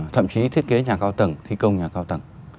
thậm chí thiết kế nhà cao tầng thi công nhà cao tầng